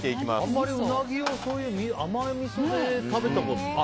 あまりうなぎを甘みそで食べたことない。